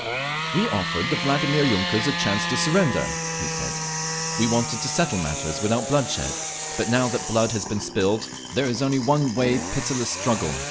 "We offered the Vladimir yunkers a chance to surrender," he said. "We wanted to settle matters without bloodshed. But now that blood has been spilled there is only one way—pitiless struggle.